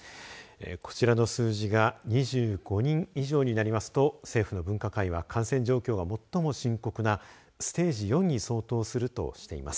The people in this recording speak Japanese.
こちらの数字が２５人以上になりますと政府の分科会は感染状況が最も深刻なステージ４に相当するとしています。